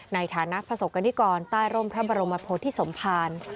ในฐานะประสบกรณิกรใต้ร่มพระบรมโพธิสมภาร